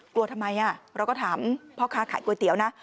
กลัวทำไมเราก็ถามพ่อค้าขายก๋วยเตี๋ยวนะ